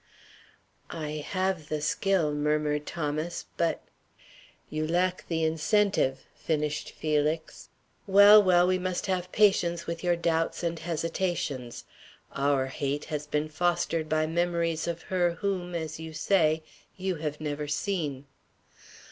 "I have the skill," murmured Thomas, "but " "You lack the incentive," finished Felix. "Well, well, we must have patience with your doubts and hesitations. Our hate has been fostered by memories of her whom, as you say, you have never seen.